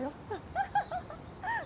ハハハハ！